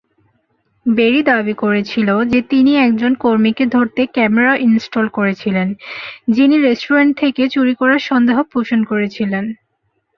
বেরি দাবি করেছিল যে তিনি একজন কর্মীকে ধরতে ক্যামেরা ইনস্টল করেছিলেন, যিনি রেস্টুরেন্ট থেকে চুরি করার সন্দেহ পোষণ করেছিলেন।